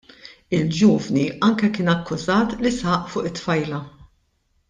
Il-ġuvni anke kien akkużat li saq fuq it-tfajla.